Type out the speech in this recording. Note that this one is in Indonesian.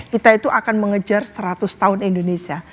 kita itu akan mengejar seratus tahun indonesia